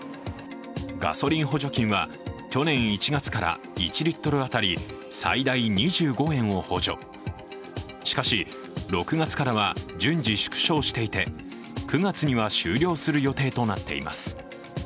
ガソリン補助金は去年１月から１リットル当たり最大２５円を補助、しかし、６月からは順次縮小していて、９月には終了する予定となっています。